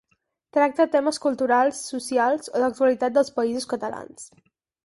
Tracta temes culturals, socials o d'actualitat dels Països Catalans.